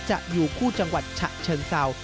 อยู่คู่จังหวัดฉะเชิงเศร้า